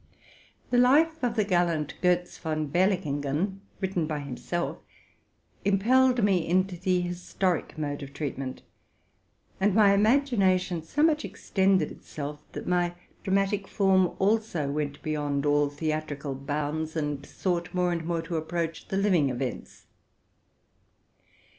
The life of the gallant Gotz von Berlichingen, written by himself, impelled me into the historic mode of treatment ; and my imagination so much extended itself, that my dra matic form also went beyond all theatrical bounds, and sought more and more to approach the living events.